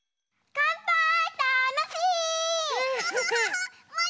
かんぱーい！